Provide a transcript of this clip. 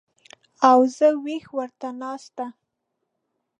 او زه وېښه ورته ناسته